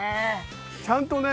ちゃんとね